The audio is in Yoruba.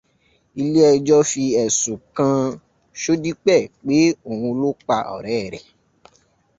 Ilé ẹjọ́ fi ẹ̀sùn kan Ṣódípẹ̀ pé òun ló pa ọ̀rẹ́ rẹ̀.